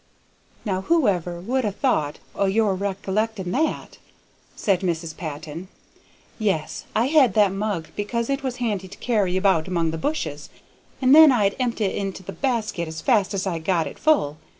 "Now, whoever would ha' thought o' your rec'lecting that?" said Mrs. Patton. "Yes. I had that mug because it was handy to carry about among the bushes, and then I'd empt' it into the basket as fast as I got it full.